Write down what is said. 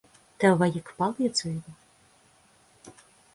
Tev vajag palīdzību.